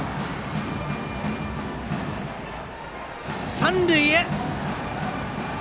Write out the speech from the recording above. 三塁へ。